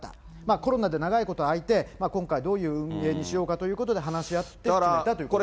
コロナで長いこと空いて、今回、どういう運営にしようかということで話し合って決めたということです。